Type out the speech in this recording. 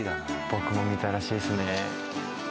僕もみたらしですね。